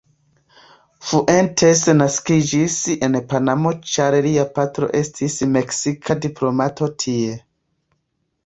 Fuentes naskiĝis en Panamo ĉar lia patro estis meksika diplomato tie.